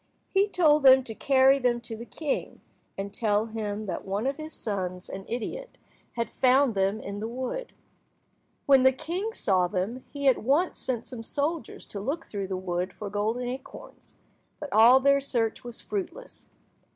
He told them to carry them to the king, and tell him that one of his sons, an idiot, had found them in the wood. When the king saw them, he at once sent some soldiers to look through the wood for golden acorns, but all their search was fruitless.